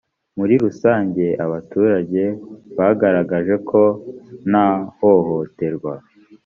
muri rusange abaturage bagaragaje ko nta hohoterwa